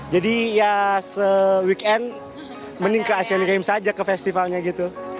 jadi ya se weekend mending ke asian games aja ke festivalnya gitu